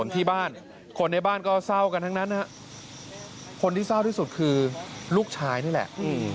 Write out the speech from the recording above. ที่เศร้าที่สุดคือลูกชายนี่แหละ